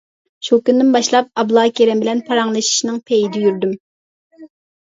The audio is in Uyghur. شۇ كۈندىن باشلاپ ئابلا كېرەم بىلەن پاراڭلىشىشنىڭ پېيىدە يۈردۈم.